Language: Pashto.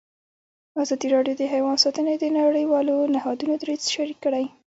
ازادي راډیو د حیوان ساتنه د نړیوالو نهادونو دریځ شریک کړی.